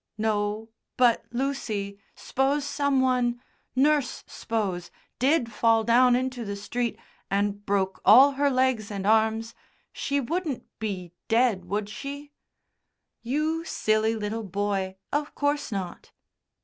"No, but, Lucy, s'pose some one nurse, s'pose did fall down into the street and broke all her legs and arms, she wouldn't be dead, would she?" "You silly little boy, of course not."